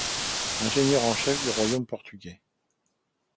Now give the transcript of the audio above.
Ingénieur en chef du royaume portugais.